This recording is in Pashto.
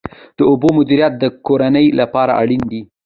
د اوبو مدیریت د کرنې لپاره اړین دی